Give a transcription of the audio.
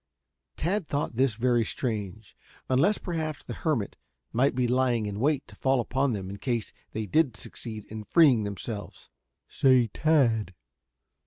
Tad thought this very strange, unless perhaps the hermit might be lying in wait to fall upon them in case they did succeed in freeing themselves. "Say, Tad."